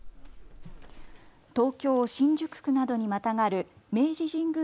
東京新宿区などにまたがる明治神宮